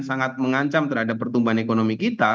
sangat mengancam terhadap pertumbuhan ekonomi kita